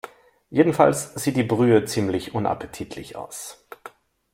Jedenfalls sieht die Brühe ziemlich unappetitlich aus.